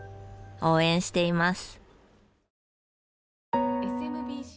応援しています！